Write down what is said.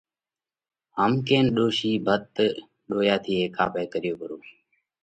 هم ڪينَ ڏوشِي ڏويا ٿِي ڀت هيڪئہ پاهئہ ڪريو پرو